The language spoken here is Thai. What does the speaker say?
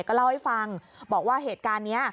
ก็เล่าให้ฟังบอกว่าเหตุการณ์นี้